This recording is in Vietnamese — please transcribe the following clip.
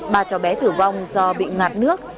ba cháu bé tử vong do bị ngạt nước